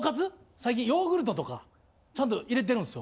最近ヨーグルトとかちゃんと入れてるんですよ。